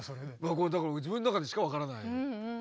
これだから自分の中でしか分からない。